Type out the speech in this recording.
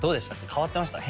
変わってました？